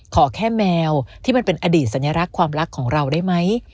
ขอแค่แมวที่มันเป็นอดีตสัญลักษณ์ความรักของเราได้ไหม